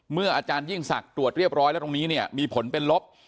อาจารยิ่งศักดิ์ตรวจเรียบร้อยแล้วตรงนี้เนี่ยมีผลเป็นลบ